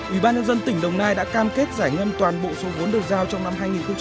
ủy ban nhân dân tỉnh đồng nai đã cam kết giải ngân toàn bộ số vốn được giao trong năm hai nghìn hai mươi